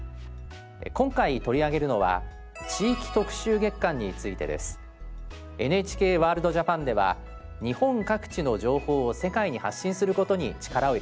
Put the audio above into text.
今回取り上げるのはＮＨＫワールドＪＡＰＡＮでは日本各地の情報を世界に発信することに力を入れています。